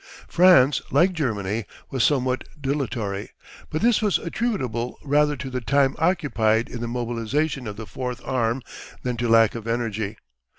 France, like Germany, was somewhat dilatory, but this was attributable rather to the time occupied in the mobilisation of the Fourth Arm than to lack of energy.